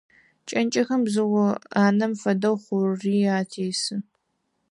Кӏэнкӏэхэм, бзыу анэм фэдэу, хъури атесы.